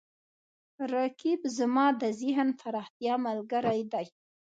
رقیب زما د ذهن د پراختیا ملګری دی